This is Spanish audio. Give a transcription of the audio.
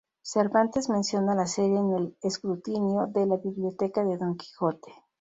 Cervantes menciona la serie en el escrutinio de la biblioteca de Don Quijote.